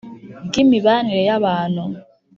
ry'imibanire y'abantu.